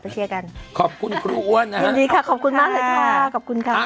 เท่าเวลา